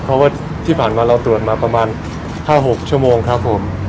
เพราะว่าที่ผ่านมาเราตรวจมาประมาณ๕๖ชั่วโมงครับผม